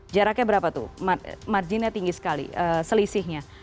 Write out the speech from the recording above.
jaraknya berapa tuh marginnya tinggi sekali selisihnya